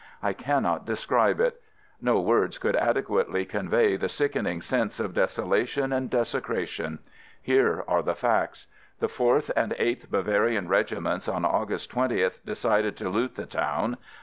I cannot de scribe it. No words could adequately convey the sickening sense of desolation and desecration. Here are the facts. The Fourth and Eighth Bavarian regi ments, on August 20, decided to loot the town.